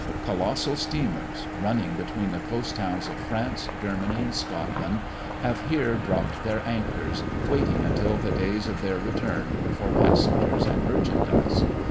Colossal steamers, running between the coast towns of France, Germany, and Scotland, have here dropped their anchors, waiting until the days of their return for passengers and merchandise.